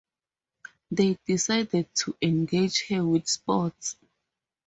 They decided to engage her with sports.